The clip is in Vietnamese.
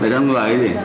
về trong người ấy gì